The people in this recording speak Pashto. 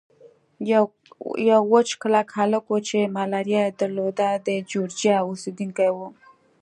یو وچ کلک هلک وو چې ملاریا یې درلوده، د جورجیا اوسېدونکی و.